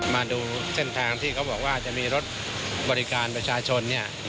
มาดูเส้นทางที่เขาบอกว่าจะมีรถบริการประชาชนเนี่ย